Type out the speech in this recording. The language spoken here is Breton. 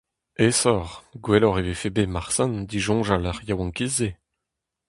Aesoc'h, gwelloc'h e vefe bet marteze disoñjal ar yaouankiz-se ?